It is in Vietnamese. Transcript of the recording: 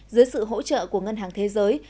dưới sự hỗ trợ của ngân hàng thế giới